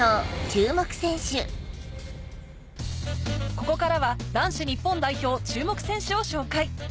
ここからは男子日本代表注目選手を紹介